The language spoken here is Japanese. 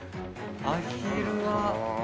アヒルは。